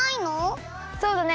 そうだね。